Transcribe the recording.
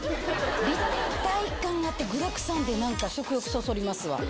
立体感あって、具だくさんで、なんか食欲そそりますわ。